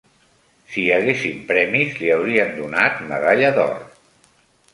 Si hi haguessin premis, li haurien donat medalla d'or